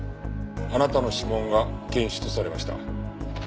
あなたの指紋が検出されました。